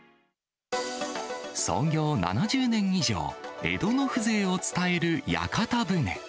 創業７０年以上、江戸の風情を伝える屋形船。